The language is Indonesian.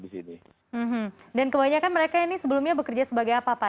dan kebanyakan mereka ini sebelumnya bekerja sebagai apa pak